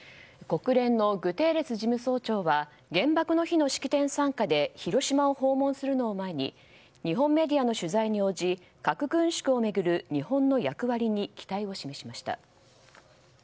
国連のグテーレス事務総長は原爆の日の式典参加で広島を訪問するのを前に日本メディアの取材に応じ核軍縮を巡る日本の役割に期待を示しました。